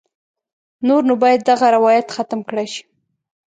نور نو باید دغه روایت ختم کړای شي.